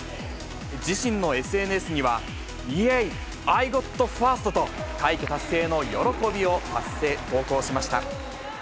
自身のＳＮＳには、イエーイ、アイ・ゴット・ファーストと、快挙達成の喜びを投稿しました。